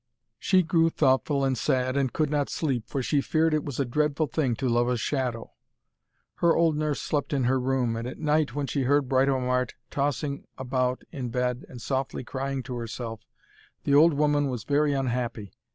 She grew thoughtful and sad, and could not sleep, for she feared it was a dreadful thing to love a shadow. Her old nurse slept in her room, and at night when she heard Britomart tossing about in bed and softly crying to herself, the old woman was very unhappy.